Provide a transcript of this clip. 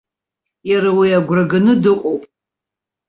Иара уи агәра ганы дыҟоуп.